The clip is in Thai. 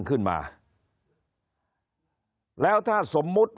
คนในวงการสื่อ๓๐องค์กร